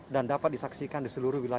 dan dapat disaksikan di seluruh wilayah